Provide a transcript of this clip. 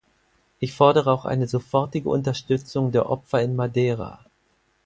Ich fordere auch eine sofortige Unterstützung der Opfer in Madeira.